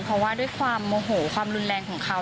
เพราะว่าด้วยความโมโหความรุนแรงของเขา